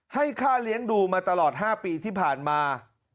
ให้ค่าเลี้ยงดูมาตลอด๕ปีที่ผ่านมา